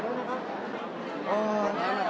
สวัสดีครับ